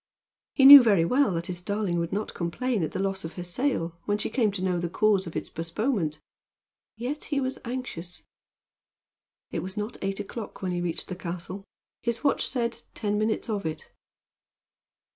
He knew very well that his darling would not complain at the loss of her sail, when she came to know the cause of its postponement. Yet he was anxious. It was not eight o'clock when he reached the castle. His watch said, ten minutes of it.